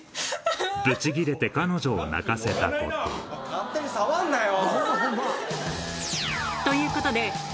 勝手に触んなよ。